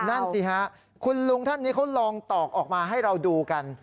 นั่นสิฮะคุณลุงท่านนี้เขาลองตอกออกมาให้เราดูกัน